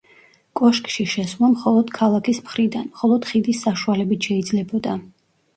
კოშკში შესვლა მხოლოდ ქალაქის მხრიდან მხოლოდ ხიდის საშუალებით შეიძლებოდა.